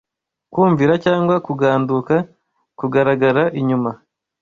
kumvira cyangwa kuganduka kugaragara inyuma